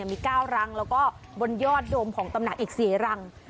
มี๙รังแล้วก็บนยอดโดมของตำหนักอีก๔รัง